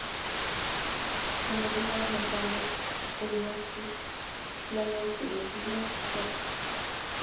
Se lo ve en las montañas, peñascos, playas de los ríos, rocas.